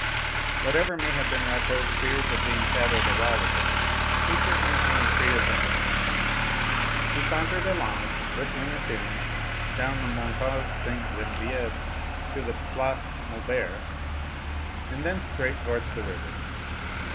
Whatever may have been Rateau's fears of being shadowed awhile ago, he certainly seemed free of them now. He sauntered along, whistling a tune, down the Montagne Ste. Genevieve to the Place Maubert, and thence straight towards the river.